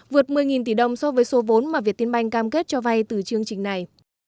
vượt một mươi tỷ đồng so với số vốn mà việt tiên banh cam kết cho vay từ chương trình này